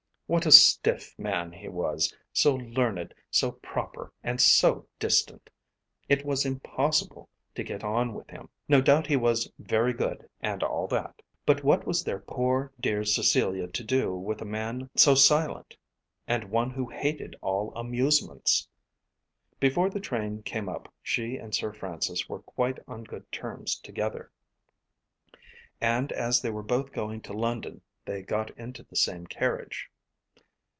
What a stiff man he was, so learned, so proper, and so distant! It was impossible to get on with him. No doubt he was very good and all that. But what was their poor dear Cecilia to do with a man so silent, and one who hated all amusements? Before the train came up she and Sir Francis were quite on good terms together; and as they were both going to London they got into the same carriage.